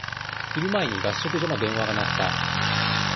昼前に、合宿所の電話が鳴った。